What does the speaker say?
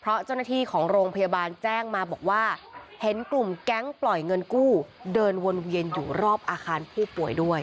เพราะเจ้าหน้าที่ของโรงพยาบาลแจ้งมาบอกว่าเห็นกลุ่มแก๊งปล่อยเงินกู้เดินวนเวียนอยู่รอบอาคารผู้ป่วยด้วย